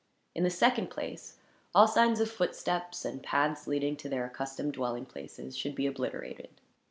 In the second place, all signs of footsteps and paths leading to their accustomed dwelling places should be obliterated.